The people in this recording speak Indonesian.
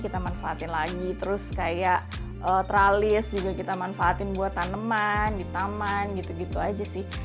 kita manfaatin lagi terus kayak tralis juga kita manfaatin buat tanaman di taman gitu gitu aja sih